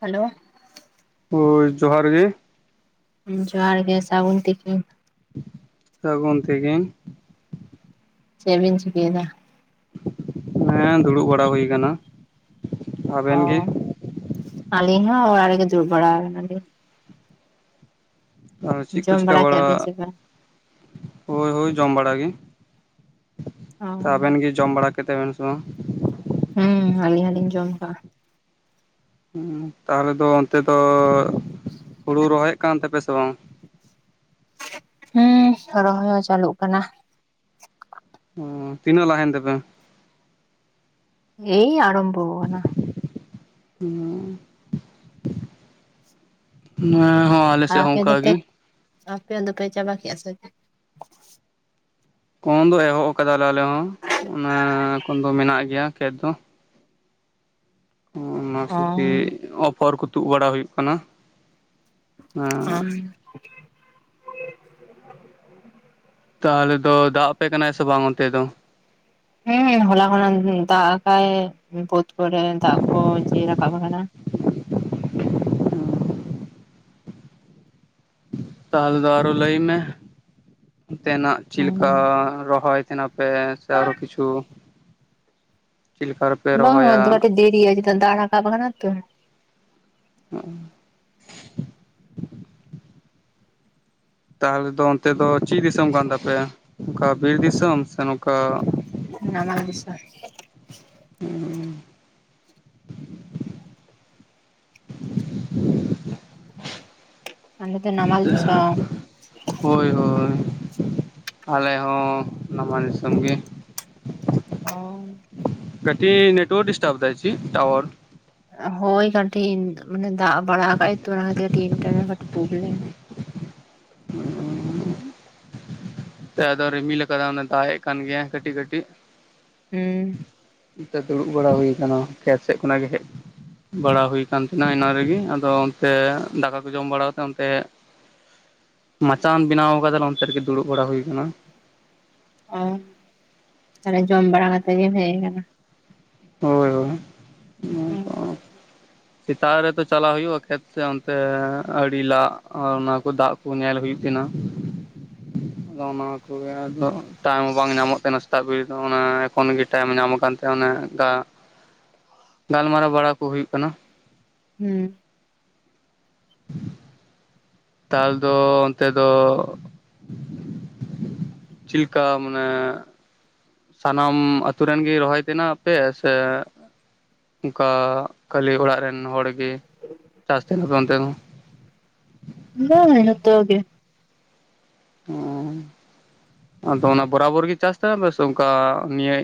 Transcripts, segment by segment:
Hello. ᱦᱳᱭ ᱡᱚᱦᱟᱨ ᱜᱮ᱾ ᱦᱚᱭ ᱡᱚᱦᱟᱨ ᱜᱮ ᱥᱟᱹᱜᱩᱱ ᱛᱤᱠᱤᱱ᱾ ᱥᱟᱹᱜᱩᱱ ᱛᱤᱠᱤᱱ᱾ ᱪᱮᱫ ᱵᱤᱱ ᱪᱤᱠᱟᱹᱭ ᱫᱟ? ᱦᱮᱸ ᱫᱩᱲᱩᱵ ᱵᱟᱲᱟ ᱦᱩᱭ ᱠᱟᱱᱟ᱾ ᱚ ᱟᱞᱤᱧ ᱦᱚᱸ ᱚᱲᱟᱜ ᱨᱮᱜᱮ ᱫᱩᱲᱩᱵ ᱵᱟᱲᱟ ᱟᱠᱟᱱᱟᱞᱤᱧ᱾ ᱟᱨ ᱪᱮᱫ ᱠᱚ ᱡᱚᱢ ᱪᱤᱠᱟᱹ ᱵᱟᱲᱟ ᱠᱮᱫᱟ ᱵᱤᱱ ᱥᱮ ᱵᱟᱝ ᱦᱳᱭ ᱦᱳᱭ ᱡᱚᱢ ᱵᱟᱲᱟ ᱜᱮ, ᱚ ᱟᱵᱮᱱ ᱜᱮ ᱡᱚᱢ ᱵᱟᱲᱟ ᱠᱮᱫᱮ ᱵᱮᱱ ᱥᱮ ᱵᱟᱝ? ᱦᱩᱸ ᱟᱹᱞᱤᱧ ᱦᱚᱸ ᱞᱤᱧ ᱡᱚᱢ ᱟᱠᱟᱜ-ᱟ᱾ ᱛᱟᱦᱚᱞᱮ ᱫᱚ ᱚᱱᱛᱮ ᱫᱚ ᱦᱩᱲᱩ ᱨᱚᱦᱚᱭᱮᱫ ᱠᱟᱱ ᱛᱟᱯᱮᱭᱟ ᱥᱮ ᱵᱟᱝ? ᱦᱩᱸ ᱨᱚᱦᱚᱭ ᱦᱚᱸ ᱪᱟᱹᱞᱩᱜ ᱠᱟᱱᱟ᱾ ᱚ ᱛᱤᱱᱟᱹᱜ ᱞᱟᱦᱟᱭᱮᱱ ᱛᱟᱯᱮᱭᱟ? ᱮᱭ ᱟᱨᱚᱢᱵᱷᱚ ᱠᱟᱱᱟ᱾ [unintelligible] ᱟᱯᱮ ᱫᱚᱯᱮ, ᱜᱮ ᱟᱯᱮ ᱫᱚᱯᱮ ᱪᱟᱵᱟ ᱠᱮᱜᱼᱟ ᱥᱮ ᱪᱮᱫ? ᱠᱚᱱ ᱫᱚ ᱮᱦᱚᱵ ᱟᱠᱟᱫᱟᱞᱮ ᱟᱞᱮ ᱦᱚᱸ, ᱚᱱᱟ ᱠᱚᱱ ᱫᱚ ᱢᱮᱱᱟᱜ ᱜᱮᱭᱟ ᱠᱷᱮᱛ ᱫᱚ᱾ ᱚᱱᱟ ᱠᱚᱜᱮ ᱚ ᱚᱯᱷᱚᱨ ᱠᱚ ᱛᱩᱫ ᱵᱟᱲᱟ ᱦᱩᱭᱩᱜ ᱠᱟᱱᱟ᱾ [unintelligible] ᱛᱟᱦᱚᱞᱮ ᱫᱚ ᱫᱟᱜ ᱟᱯᱮ ᱠᱟᱱᱟᱭ ᱥᱮ ᱵᱟᱝ ᱚᱱᱛᱮ ᱫᱚ? ᱦᱮᱸ ᱦᱚᱞᱟ ᱠᱷᱚᱱ ᱫᱟᱜ ᱟᱠᱟᱭ ᱵᱟᱹᱫᱽ ᱠᱚᱨᱮ ᱫᱟᱜ ᱠᱚᱭ ᱡᱮ ᱨᱟᱠᱟᱵ ᱟᱠᱟᱱᱟ᱾ ᱛᱟᱦᱚᱞᱮ ᱫᱚ ᱟᱨᱚ ᱞᱟᱹᱭ ᱢᱮ ᱚᱱᱛᱮᱱᱟᱜ ᱪᱮᱫ ᱦᱩᱸ ᱞᱮᱠᱟ ᱨᱚᱦᱚᱭ? [unintelligible] ᱯᱮ ᱥᱮ ᱟᱨᱚ ᱠᱤᱪᱷᱩ ᱪᱮᱫ ᱞᱮᱠᱟ ᱵᱟᱝ ᱟ ᱨᱚᱦᱚᱭᱟ [unintelligible] ᱫᱮᱨᱤ-ᱟ ᱪᱮᱫᱟᱜ ᱫᱟᱜ ᱨᱟᱠᱟᱵ ᱠᱟᱫᱟ ᱛᱚ᱾ [inaudible] ᱛᱟᱦᱚᱞᱮ ᱫᱚ ᱚᱱᱛᱮ ᱫᱚ ᱪᱮᱫ ᱫᱤᱥᱚᱢ ᱠᱟᱱ ᱛᱟᱯᱮᱭᱟ? ᱚᱱᱠᱟ ᱵᱤᱨ ᱫᱤᱥᱚᱢ ᱥᱮ ᱱᱚᱝᱠᱟ ᱱᱟᱢᱟᱞ ᱫᱤᱥᱚᱢ᱾ [inaudible] ᱟᱞᱮ ᱫᱚ ᱱᱟᱢᱟᱞ ᱫᱤᱥᱚᱢ᱾ ᱦᱳᱭ ᱦᱳᱭ, ᱟᱞᱮ ᱦᱚᱸ ᱱᱟᱢ ᱫᱤᱥᱚᱢ ᱜᱮ᱾ ᱚᱻ ᱠᱟᱹᱴᱤᱡ ᱱᱮᱴᱚᱣᱟᱨᱠ ᱰᱤᱥᱴᱟᱵ ᱫᱟᱭ ᱥᱤ ᱪᱤᱫ ᱴᱟᱣᱟᱨ? ᱦᱳᱭ ᱠᱟᱹᱴᱤᱡ ᱢᱟᱱᱮ ᱫᱟᱜ ᱵᱟᱲᱟ ᱟᱠᱟᱜᱟᱭ ᱛᱚ ᱚᱱᱟ ᱠᱷᱛᱤᱨ ᱠᱟᱴᱤᱡ ᱤᱱᱴᱟᱨᱱᱮᱴ ᱠᱟᱹᱴᱤᱡ ᱯᱨᱚᱵᱞᱮᱢ᱾ [inaudible] ᱟᱫᱚ ᱨᱤᱢᱤᱞ ᱟᱠᱟᱫᱟ ᱚᱱᱮ ᱫᱟᱜ ᱮᱜ ᱠᱟᱱ ᱜᱮᱭᱟᱭ ᱠᱟᱹᱴᱤᱡ ᱠᱟᱹᱴᱤᱡ᱾ ᱦᱩᱸ ᱫᱩᱲᱩᱵ ᱵᱟᱲᱟ ᱦᱩᱭ ᱟᱠᱟᱱᱟ ᱠᱷᱮᱛ ᱥᱮᱫ ᱠᱷᱚᱱᱟᱜ ᱜᱮ ᱦᱮᱜ ᱵᱟᱲᱟ ᱦᱩᱭ ᱠᱟᱱᱛᱤᱱᱟ ᱚᱱᱟ ᱨᱮᱜᱮ ᱟᱫᱚ ᱚᱱᱛᱮ ᱫᱟᱠᱟ ᱠᱚ ᱡᱚᱢ ᱵᱟᱲᱟ ᱠᱟᱛᱮ ᱚᱱᱛᱮ ᱢᱟᱪᱟᱢ ᱵᱮᱱᱟᱣ ᱟᱠᱟᱫᱟᱞᱮ ᱚᱱᱛᱮ ᱨᱮᱸᱜᱮ ᱫᱩᱲᱩᱵ ᱵᱟᱲᱟ ᱦᱩᱭ ᱠᱟᱱᱟ᱾ ᱚ ᱛᱟᱦᱚᱞᱮ ᱡᱚᱢ ᱵᱟᱲᱟ ᱠᱟᱛᱮ ᱜᱮ ᱦᱮᱡ ᱠᱟᱱᱟ᱾ ᱦᱳᱭ ᱦᱳᱭ, [unintelligible] ᱥᱮᱛᱟᱜ ᱨᱮ ᱛᱚ ᱪᱟᱞᱟᱜ ᱦᱩᱭᱩᱜᱼᱟ ᱠᱷᱮᱛ ᱥᱮ ᱚᱱᱛᱮ ᱟᱹᱲᱤ ᱞᱟᱜ ᱚᱱᱟ ᱠᱚ ᱫᱟᱜ ᱠᱚ ᱧᱮᱞ ᱦᱩᱭᱩᱜ ᱛᱮᱱᱦᱟ ᱾ [unintelligible] ᱟᱫᱚ ᱚᱱᱟ ᱠᱚ ᱜᱮ ᱟᱫᱟ ᱴᱟᱝ ᱵᱟᱝ ᱧᱟᱢᱚᱜ ᱛᱟᱦᱮᱸ ᱥᱮᱛᱟᱜ ᱵᱮ ᱚᱱᱟ ᱮᱠᱷᱚᱱ ᱜᱮ ᱴᱟᱭᱤᱢ ᱧᱟᱢ ᱠᱟᱱ ᱛᱟᱦᱮᱱᱟ ᱾ ᱛᱮ ᱚᱱᱮ ᱫᱟᱜ, [unintelligible] ᱜᱟᱞᱢᱟᱨᱟᱣ ᱵᱟᱲᱟ ᱠᱚ ᱦᱩᱭᱩᱜ ᱠᱟᱱᱟ ᱾ ᱦᱩᱸ, [unintelligible] ᱛᱟᱞ ᱫᱚ ᱚᱱᱛᱮ ᱫᱚ, ᱪᱤᱞ ᱞᱮᱠᱟ ᱢᱟᱱᱮ? ᱥᱟᱱᱟᱢ ᱟᱹᱛᱩ ᱨᱮᱱ ᱜᱤ ᱨᱚᱦᱚᱭ ᱛᱮᱱᱟ ᱯᱮ ᱥᱮ? ᱚᱝᱠᱟ ᱠᱷᱟᱹᱞᱤ ᱚᱲᱟᱜ ᱨᱮᱱ ᱦᱚᱲ ᱜᱮ ᱪᱟᱥ ᱛᱟᱦᱮᱱᱟ ᱚᱱᱛᱮ, ᱵᱟᱝᱼᱟ ᱡᱚᱛᱚ ᱜᱮ, ᱚᱻ ᱟᱫᱚ ᱚᱱᱟ ᱵᱚᱨᱟᱵᱳᱨ ᱜᱮ ᱪᱟᱥ ᱛᱟᱦᱮ ᱚᱝᱠᱟ ᱱᱤᱭᱟᱹ,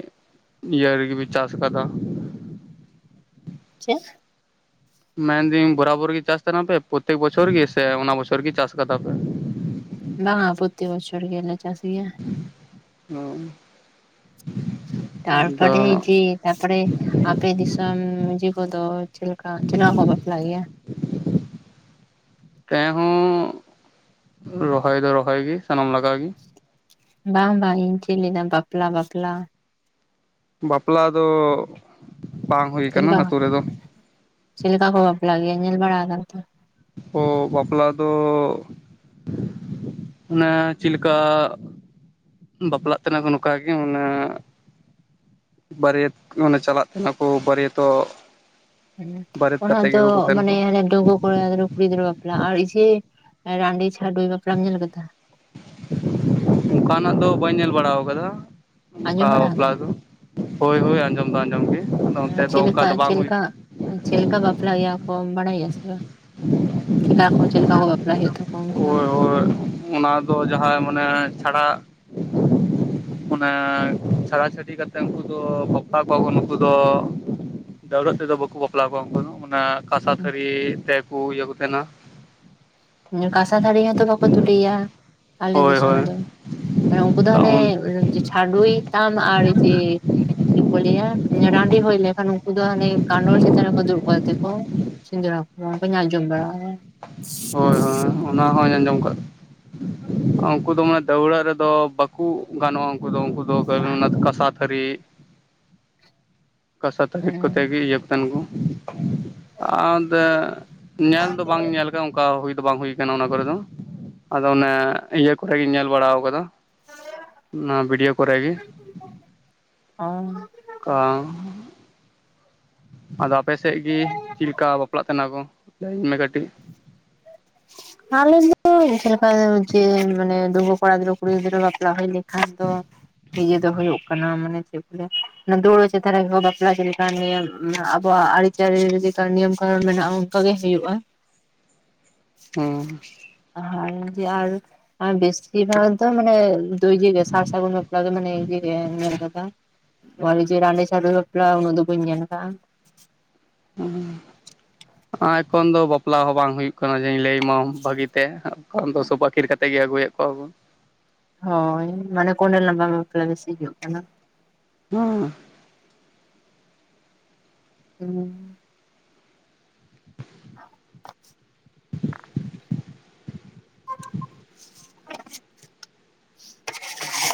ᱤᱭᱟᱹ ᱨᱮ ᱜᱮ ᱯᱮ ᱪᱟᱥ ᱟᱠᱟᱫᱟ? ᱪᱮᱫ? ᱢᱮᱱᱫᱟᱹᱧ ᱵᱚᱨᱟᱵᱳᱨ ᱜᱮ ᱪᱟᱥ ᱛᱟᱦᱮᱱᱟ ᱯᱮ ᱥᱮ ᱯᱨᱚᱛᱛᱮᱠ ᱵᱚᱪᱷᱚᱨ ᱜᱮ ᱥᱮ ᱚᱱᱟ ᱵᱚᱪᱷᱚᱨ ᱜᱮ ᱪᱟᱥ ᱠᱟᱫᱟ ᱯᱮ? ᱵᱟᱝᱟ ᱯᱳᱛᱮᱠ ᱵᱪᱷᱚᱨ ᱜᱮ ᱨᱮ ᱪᱟᱥᱟ, ᱜᱮᱭᱟ, ᱛᱟᱨᱯᱟᱨᱮ ᱟᱫᱚ ᱡᱮ ᱛᱟᱯᱚᱨᱮ ᱟᱯᱮ ᱫᱤᱥᱚᱢ ᱤᱭᱟᱹ ᱠᱚ ᱫᱚ ᱪᱮᱫ ᱞᱮᱠᱟ ᱡᱮᱞᱟ ᱠᱚ ᱵᱟᱯᱞᱟᱜ ᱜᱮᱭᱟ? ᱛᱮᱦᱚᱸ ᱨᱚᱦᱚᱭ ᱫᱚ ᱨᱚᱦᱚᱭ ᱜᱮ ᱥᱟᱱᱟᱢ ᱞᱟᱠᱟᱜᱮ, ᱵᱟᱝ ᱵᱟᱝ ᱤᱧ ᱪᱮᱫ ᱞᱟᱹᱭᱫᱟ ᱵᱟᱯᱞᱟ ᱵᱟᱯᱞᱟ? ᱵᱟᱯᱞᱟ ᱫᱚ ᱵᱟᱝ ᱦᱩᱭ ᱪᱮᱫ ᱟᱠᱟᱱᱟ ᱞᱮᱠᱟ ᱟᱹᱛᱩ ᱨᱮ ᱫᱚ ᱾ ᱪᱮᱫ ᱞᱮᱠᱟ ᱠᱚ ᱵᱟᱯᱞᱟᱜ ᱜᱮᱭᱟ ᱧᱮᱞ ᱵᱟᱲᱟ ᱟᱠᱟᱫ ᱛᱚ? ᱳ ᱵᱟᱯᱞᱟ ᱫᱚ, ᱚᱱᱮ ᱪᱤᱞ ᱞᱮᱠᱟ ᱵᱟᱯᱞᱟᱜ ᱛᱮᱱᱟ ᱠᱚ ᱱᱚᱝᱠᱟᱜ ᱜᱮ ᱢᱟᱱᱮ, ᱵᱟᱹᱨᱤᱭᱟᱹᱛ ᱚᱱᱮ ᱪᱟᱞᱟᱜ ᱛᱟᱦᱮᱱᱟ ᱠᱚ ᱵᱟᱹᱨᱤᱭᱟᱹᱛᱚᱜ, ᱦᱩᱸ ᱻᱚ ᱚᱱᱟ ᱫᱚ ᱛᱟᱦᱮᱱ ᱠᱚ ᱢᱟᱱᱮ ᱰᱟᱝᱜᱩᱣ ᱠᱚ, ᱠᱚᱲᱟ ᱜᱤᱫᱽᱨᱟᱹ ᱠᱩᱲᱤ ᱜᱤᱫᱽᱨᱟᱹ ᱵᱟᱯᱞᱟ ᱟᱨ ᱤᱭᱟᱹ ᱨᱟᱺᱰᱤ ᱪᱷᱟᱰᱩᱭᱤ ᱵᱟᱯᱞᱟᱢ ᱧᱮᱞ ᱟᱠᱟᱫᱟ? ᱚᱝᱠᱟᱱᱟᱜ ᱫᱚ ᱵᱟᱹᱧ ᱧᱮᱞ ᱵᱟᱲᱟ ᱠᱟᱫᱟ ᱚᱝᱠᱟ ᱟᱸᱡᱚᱢ ᱵᱟᱲᱟ ᱵᱟᱯᱞᱟ ᱟᱠᱟᱫᱟ ᱫᱚ, ᱦᱳᱭ ᱦᱳᱭ ᱟᱸᱡᱚᱢ ᱫᱚ ᱟᱸᱡᱚᱢ ᱜᱮ ᱟᱫᱚ ᱚᱱᱛᱮ ᱫᱚ ᱚᱝᱠᱟ ᱫᱚ ᱵᱟᱝ ᱦᱩᱭ ᱠᱟᱱᱟ, ᱪᱮᱞ ᱞᱮᱠᱟ ᱵᱟᱯᱞᱟ ᱜᱮᱭᱟ ᱠᱚ ᱵᱟᱲᱟᱭᱟᱢ ᱥᱮ ᱵᱟᱝ? ᱪᱮᱠᱟ ᱠᱚ ᱪᱮᱫ ᱞᱮᱠᱟ ᱠᱚ ᱵᱟᱯᱞᱟᱜ ᱦᱳᱭᱳᱜ ᱛᱟᱠᱚᱣᱟ ᱩᱱᱠᱩᱣᱟᱜ? ᱛᱚ ᱚᱱᱟ ᱫᱚ ᱡᱟᱦᱟᱸᱭ ᱢᱟᱱᱮ ᱪᱷᱟᱲᱟ, ᱚᱱᱟ ᱪᱷᱟᱲᱟ ᱪᱷᱟᱹᱲᱤ ᱠᱟᱛᱮᱫ ᱩᱱᱠᱩ ᱫᱚ ᱵᱟᱯᱞᱟ ᱠᱚᱶᱟ ᱠᱚ ᱱᱩᱠᱩ ᱫᱚ, ᱫᱟᱹᱣᱨᱟᱹᱜ ᱛᱮ ᱫᱚ ᱵᱟᱠᱚ ᱵᱟᱯᱞᱟ ᱠᱚᱣᱟ ᱩᱱᱠᱩ ᱫᱚ ᱚᱱᱟ ᱠᱟᱸᱥᱟ ᱛᱷᱟᱹᱨᱤ ᱛᱮᱠᱚ ᱤᱭᱟᱹ ᱠᱚ ᱛᱟᱦᱮᱸᱱᱟ ᱾ ᱠᱟᱸᱥᱟ ᱛᱷᱟᱹᱨᱤ ᱦᱚᱸᱛᱚ ᱵᱟᱠᱚ ᱛᱩᱞᱟᱹᱭᱟ ᱟᱞᱮ ᱦᱳᱭ ᱫᱤᱥᱚᱢ ᱦᱳᱭ ᱫᱚ, ᱩᱱᱠᱩ ᱫᱚ ᱦᱟᱱᱮ ᱦᱳᱭ ᱪᱷᱟᱰᱩᱭᱤ ᱛᱟᱢ ᱟᱨ ᱡᱮ ᱪᱮᱫ ᱠᱚ ᱞᱟᱹᱭᱟ ᱨᱟᱺᱰᱤ ᱦᱳᱭ ᱞᱮᱠᱷᱟᱱ ᱩᱱᱠᱩ ᱫᱚ ᱦᱟᱱᱮ ᱜᱟᱸᱰᱳ ᱪᱮᱛᱟᱱ ᱨᱮ ᱠᱚ ᱠᱚ ᱫᱩᱨᱩᱵ ᱠᱚ ᱛᱮ ᱠᱚ, ᱥᱮ. ᱫᱽᱨᱟ ᱠᱚ ᱚᱝᱠᱟ ᱟᱡᱚᱢ ᱵᱟᱲᱟ ᱠᱟᱫᱟ ᱾ ᱦᱳᱭ ᱦᱳᱭ ᱚᱱᱟ ᱦᱚᱸᱧ ᱟᱸᱡᱚᱢ ᱠᱟᱜ ᱩᱱᱠᱩ ᱫᱚ ᱢᱟ ᱫᱟᱹᱣᱲᱟᱹ ᱨᱮ ᱫᱚ ᱵᱟᱠᱚ ᱜᱟᱱᱚᱜᱼᱟ ᱩᱱᱠᱩ ᱫᱚ ᱩᱱᱠᱩ ᱫᱚ ᱚᱱᱟ ᱫᱚ ᱠᱟᱥᱟ ᱦᱟᱹᱨᱤ ᱠᱟᱥᱟ ᱛᱟᱹᱦᱤᱫ ᱠᱚᱛᱮ ᱦᱮᱸ ᱜᱮ ᱤᱭᱟ ᱠᱟᱱ ᱠᱚ ᱟᱫᱚ ᱧᱮᱞ ᱫᱚ ᱵᱟᱝ ᱧᱮᱞ ᱜᱮ ᱚᱱᱠᱟ ᱦᱩᱭ ᱫᱚ ᱵᱟᱝ ᱦᱩᱭ ᱠᱟᱱᱟ ᱚᱱᱟ ᱠᱚᱨᱮ ᱫᱚ᱾ ᱟᱫᱚ ᱚᱱᱮ ᱤᱭᱟᱹ ᱠᱚᱨᱮᱜᱤᱧ ᱧᱮᱞ ᱵᱟᱲᱟᱣ ᱠᱟᱫᱟ ᱚᱱᱟ ᱵᱷᱤᱰᱭᱳ ᱠᱚᱨᱮ ᱜᱮ᱾ ᱟᱢ ᱠᱟ ᱟᱫᱚ ᱟᱯᱮᱥᱮᱫ ᱜᱤ ᱪᱮᱫ ᱞᱮᱠᱟ ᱵᱟᱯᱞᱟᱜ ᱠᱟᱱᱟ ᱠᱚ ᱢᱮ ᱠᱟᱹᱴᱤᱡ? [unintelligible] ᱳᱭ ᱪᱮᱫ ᱞᱮᱠᱟ ᱡᱮ ᱢᱟᱱᱮ ᱫᱩᱵᱩ ᱠᱚᱲᱟ ᱜᱤᱫᱽᱨᱟᱹ ᱠᱩᱲᱤ ᱜᱤᱫᱽᱨᱟᱹ ᱵᱟᱯᱞᱟ ᱦᱩᱭ ᱞᱮᱠᱷᱟᱱ ᱫᱚ ᱱᱤᱡᱮ ᱫᱚ ᱦᱩᱭᱩᱜ ᱠᱟᱱᱟ ᱢᱟᱱᱮ ᱪᱮᱫ ᱞᱮᱠᱟ ᱚᱱᱮ ᱫᱟᱹᱲᱟ ᱪᱮᱛᱟᱱ ᱨᱮ ᱜᱮᱠᱚ ᱵᱟᱯᱞᱟ ᱪᱮᱫ ᱞᱮᱠᱟ ᱱᱤᱭᱚᱢ ᱢᱟᱱᱮ ᱟᱵᱚᱣᱟᱜ ᱟᱨᱤ ᱪᱟᱨᱤ ᱨᱮ ᱪᱮᱫᱠᱟ ᱱᱤᱭᱚᱢ ᱠᱟᱨᱚᱱ ᱢᱮᱱᱟᱜᱼᱟ ᱚᱱᱠᱟ ᱜᱮ ᱦᱩᱭᱩᱜᱼᱟ᱾ ᱦᱚᱸ᱾ ᱦᱟᱨ ᱡᱮ ᱟᱨ, ᱟᱨ ᱵᱮᱥᱤᱨ ᱵᱷᱟᱜ ᱫᱚ ᱢᱟᱱᱮ ᱫᱚ ᱤᱭᱟᱹᱜᱮ ᱥᱟᱨ ᱥᱟᱹᱜᱩᱱ ᱵᱟᱯᱞᱟ ᱫᱚ ᱢᱟᱱᱮ ᱤᱭᱟ ᱜᱮ ᱧᱮᱞ ᱠᱟᱫᱟ᱾ ᱚᱞᱮ ᱡᱮ ᱨᱟᱱᱵᱮ ᱪᱷᱟᱰᱩᱭᱤ ᱵᱟᱯᱞᱟ ᱩᱱᱟᱹᱜ ᱫᱚ ᱵᱟ. ᱧ ᱧᱮᱞ ᱠᱟᱜ-ᱟ᱾ ᱚᱦ᱾ ᱟ ᱮᱠᱷᱚᱱ ᱫᱚ ᱵᱟᱯᱞᱟ ᱦᱚᱸ ᱵᱟᱝ ᱦᱩᱭᱩᱜ ᱠᱟᱱᱟ ᱡᱮᱧ ᱞᱟᱹᱭ ᱢᱟᱣ ᱵᱷᱟᱹᱜᱤ ᱛᱮ ᱠᱟᱨᱚᱱ ᱫᱚ ᱥᱚᱵ ᱟᱹᱠᱤᱨ ᱠᱟᱛᱮ ᱜᱮ ᱟᱹᱜᱩᱭᱮᱫ ᱠᱚᱣᱟ ᱵᱚᱱ᱾ ᱦᱳᱭ ᱢᱟᱱᱮ ᱠᱚᱸᱰᱮᱞ ᱞᱟᱢᱵᱟ ᱵᱟᱯᱞᱟ ᱵᱮᱥᱤ ᱦᱩᱭᱩᱜ ᱠᱟᱱᱟ᱾ ᱦᱩᱸ᱾ ᱦᱩᱸ᱾ [inaudible]